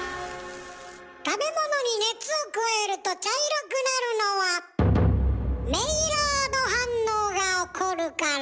食べ物に熱を加えると茶色くなるのはメイラード反応が起こるから。